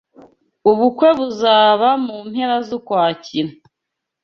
Ubukwe buzaba mu mpera z'Ukwakira.